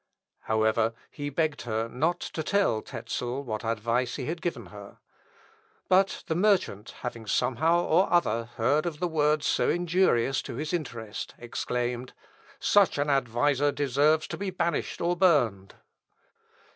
However, he begged her not to tell Tezel what advice he had given her. But the merchant having somehow or other heard of words so injurious to his interest, exclaimed, "Such an adviser deserves to be banished or burned."